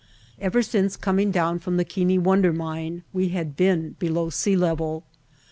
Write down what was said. Ever since coming down from the Keane Wonder Mine we had been below sea level.